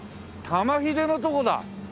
玉ひでのとこだ。